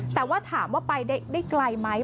แต่ว่าถามว่าไปได้ไกลไหม